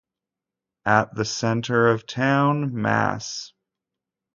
At the center of town, Mass.